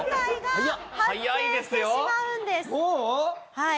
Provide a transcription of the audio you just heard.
はい。